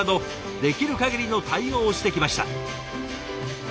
できる限りの対応をしてきました。